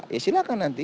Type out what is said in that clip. ya silahkan nanti